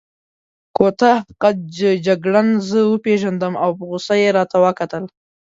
کوتاه قد جګړن زه وپېژندم او په غوسه يې راته وکتل.